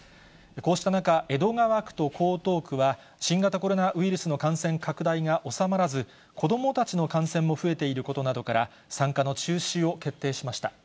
こうした中、江戸川区と江東区は、新型コロナウイルスの感染拡大が収まらず、子どもたちの感染も増えていることなどから、参加の中止を決定しました。